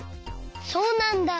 そうなんだ。